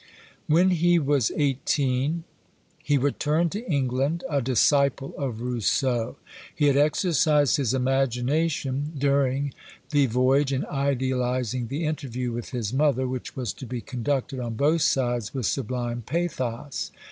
When he was eighteen, he returned to England a disciple of Rousseau. He had exercised his imagination during the voyage in idealizing the interview with his mother, which was to be conducted on both sides with sublime pathos.